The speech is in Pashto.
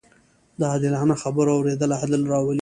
د عادلانه خبرو اورېدل عدل راولي